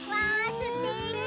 すてき。